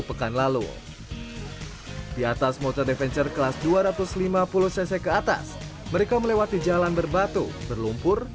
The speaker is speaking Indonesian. pekan lalu di atas motor deventure kelas dua ratus lima puluh cc ke atas mereka melewati jalan berbatu berlumpur